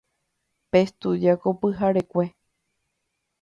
Pestudia ko pyharekue.